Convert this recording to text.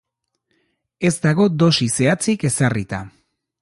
Ez dago dosi zehatzik ezarrita.